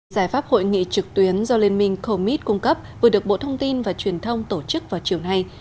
giải pháp hội nghị trực tuyến do liên minh comit cung cấp vừa được bộ thông tin và truyền thông tổ chức vào chiều nay